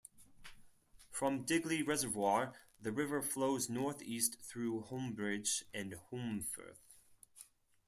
From Digley reservoir, the river flows north east through Holmbridge and Holmfirth.